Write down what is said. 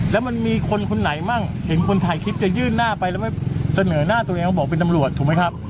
แล้วมันมีคนคนไหนมั่งเห็นคนถ่ายคลิปจะยื่นหน้าไปแล้วไม่เสนอหน้าตัวเองว่าบอกเป็นตำรวจถูกไหมครับ